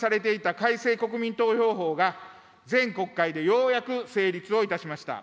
改正国民投票法が前国会でようやく成立をいたしました。